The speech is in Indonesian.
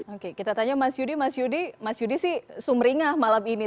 oke kita tanya mas yudi mas yudi mas yudi sih sumringah malam ini